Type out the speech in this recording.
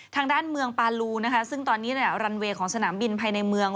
ทางด้านเมืองปาลูนะคะซึ่งตอนนี้รันเวย์ของสนามบินภายในเมือง